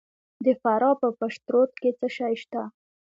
د فراه په پشترود کې څه شی شته؟